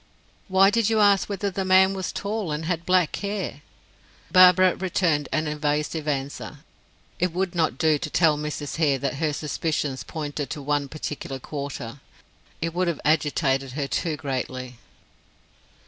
"Why did you ask whether the man was tall, and had black hair?" Barbara returned an evasive answer. It would not do to tell Mrs. Hare that her suspicions pointed to one particular quarter; it would have agitated her too greatly.